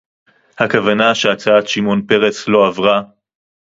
הכוונה שהצעת שמעון פרס לא עברה